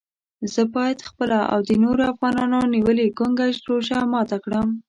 زه باید خپله او د نورو افغانانو نیولې ګونګه روژه ماته کړم.